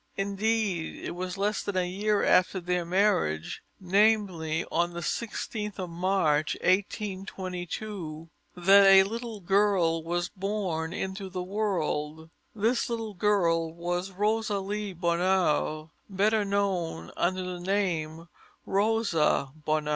Indeed, it was less than a year after their marriage, namely on the 16th of March, 1822, that a little girl was born into the world: this little girl was Rosalie Bonheur, better known under the name of Rosa Bonheur.